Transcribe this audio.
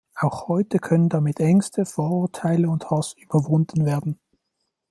Auch heute können damit Ängste, Vorurteile und Hass überwunden werden.